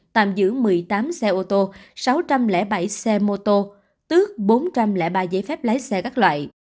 tạm giữ một mươi tám xe ô tô sáu trăm linh bảy xe mô tô tước bốn trăm linh ba giấy phép lái xe các loại